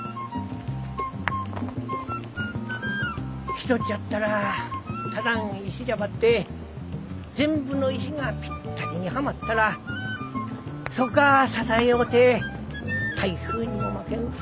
ひとっじゃったらただん石じゃばって全部の石がぴったりにはまったらそっが支えおうて台風にも負けん強か力になっとぞ。